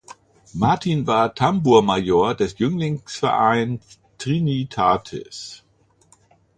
Martin war Tambourmajor des Jünglingsverein Trinitatis.